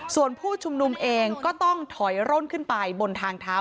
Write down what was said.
ส่วนผู้ชุมนุมเองก็ต้องถอยร่นขึ้นไปบนทางเท้า